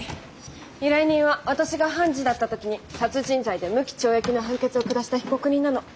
依頼人は私が判事だった時に殺人罪で無期懲役の判決を下した被告人なの。